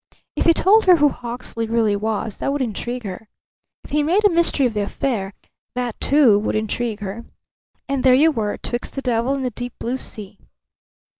If he told her who Hawksley really was, that would intrigue her. If he made a mystery of the affair, that, too, would intrigue her. And there you were, 'twixt the devil and the deep blue sea.